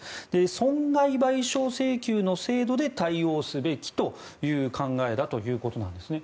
損害賠償請求の制度で対応すべきという考えだということなんですね。